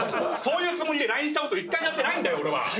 そういうつもりでＬＩＮＥしたこと一回だってないんだよ俺は。